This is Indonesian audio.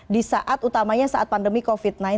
di saat utamanya saat pandemi covid sembilan belas